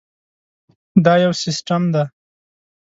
دا یو سیسټم دی.